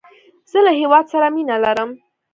زه له هیواد سره مینه لرم